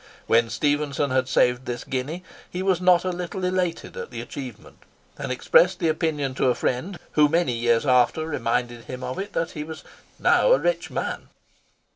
When Stephenson had saved this guinea he was not a little elated at the achievement, and expressed the opinion to a friend, who many years after reminded him of it, that he was "now a rich man."